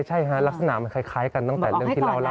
ใช่ฮะลักษณะมันคล้ายกันตั้งแต่เรื่องที่เราเล่า